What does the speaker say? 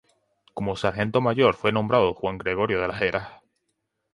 Como sargento mayor fue nombrado Juan Gregorio de Las Heras.